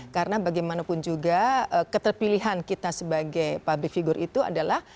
karena bagaimanapun juga keterpilihan kita sebagai public figure itu adalah